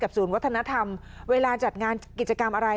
ศูนย์วัฒนธรรมเวลาจัดงานกิจกรรมอะไร